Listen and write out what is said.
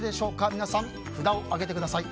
皆さん、札を上げてください。